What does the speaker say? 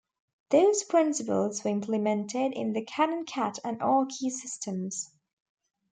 Those principles were implemented in the Canon Cat and Archy systems.